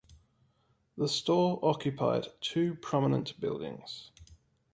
The store occupied two prominent buildings.